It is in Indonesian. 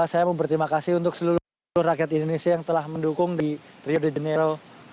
saya mau berterima kasih untuk seluruh rakyat indonesia yang telah mendukung di rio de janeiro dua ribu dua puluh